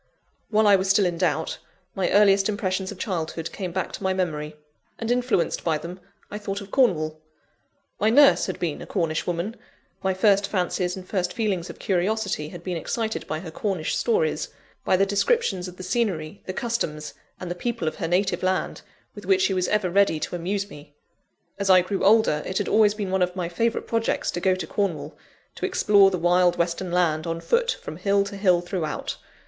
While I was still in doubt, my earliest impressions of childhood came back to my memory; and influenced by them, I thought of Cornwall. My nurse had been a Cornish woman; my first fancies and first feelings of curiosity had been excited by her Cornish stories, by the descriptions of the scenery, the customs, and the people of her native land, with which she was ever ready to amuse me. As I grew older, it had always been one of my favourite projects to go to Cornwall, to explore the wild western land, on foot, from hill to hill throughout.